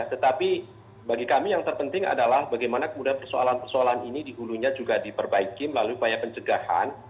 tetapi bagi kami yang terpenting adalah bagaimana kemudian persoalan persoalan ini di hulunya juga diperbaiki melalui upaya pencegahan